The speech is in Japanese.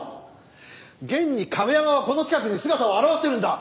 現に亀山はこの近くに姿を現してるんだ。